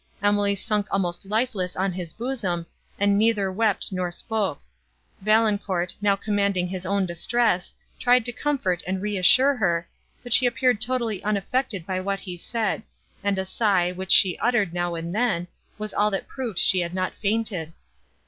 Emily sunk almost lifeless on his bosom, and neither wept, nor spoke. Valancourt, now commanding his own distress, tried to comfort and reassure her, but she appeared totally unaffected by what he said, and a sigh, which she uttered, now and then, was all that proved she had not fainted.